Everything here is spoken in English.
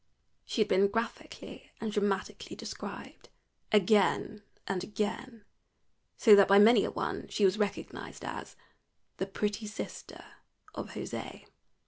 She had been graphically and dramatically described again and again, so that by many a one she was recognized as "the pretty sister of José."